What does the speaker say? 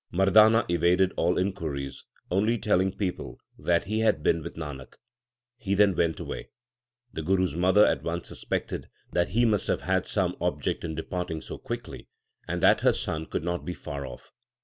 Mardana evaded all inquiries, only telling people that he had been with Nanak. He then went away. The Guru s mother at once suspected that he must have had some ob ject in departing so quickly, and that her son could not be far off.